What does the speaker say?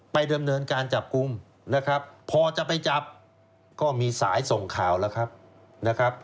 ดำเนินการจับกลุ่มนะครับพอจะไปจับก็มีสายส่งข่าวแล้วครับนะครับ